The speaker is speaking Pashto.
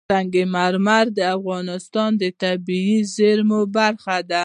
سنگ مرمر د افغانستان د طبیعي زیرمو برخه ده.